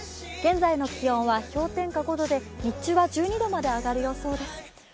現在の気温は氷点下５度で日中は１２度まで上がる予定です。